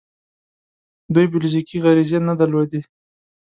دوی بیولوژیکي غریزې نه درلودې.